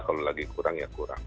kalau lagi kurang ya kurang